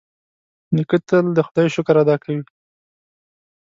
نیکه تل د خدای شکر ادا کوي.